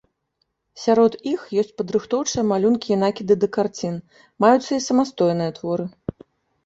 Сярод іх ёсць падрыхтоўчыя малюнкі і накіды да карцін, маюцца і самастойныя творы.